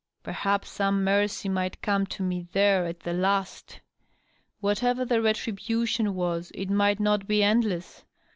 Perhaps some mercy might come to me there at the last. Whatever the retribution was, it might not be endless.